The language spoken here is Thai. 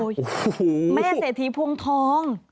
โอ้โหแม่เศรษฐีพวงทอง